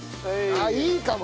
あっいいかも。